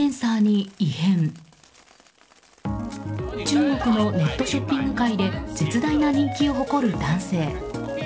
中国のネットショッピング界で絶大な人気を誇る男性。